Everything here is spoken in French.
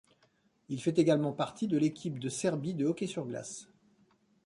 Il fait également partie de l'équipe de Serbie de hockey sur glace.